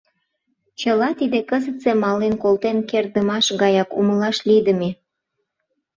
Чыла тиде кызытсе мален колтен кертдымаш гаяк умылаш лийдыме.